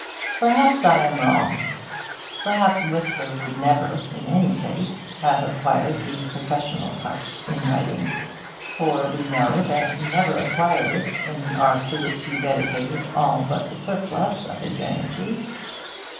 Perhaps I am wrong. Perhaps Whistler would never, in any case, have acquired the professional touch in writing. For we know that he never acquired it in the art to which he dedicated all but the surplus of his energy.